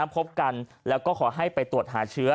พบกันแล้วก็ขอให้ไปตรวจหาเชื้อ